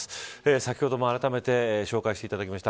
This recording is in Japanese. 先ほども、あらためて紹介していただきました。